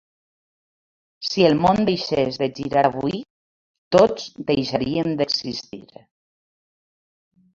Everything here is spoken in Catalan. Si el món deixés de girar avui, tots deixaríem d'existir.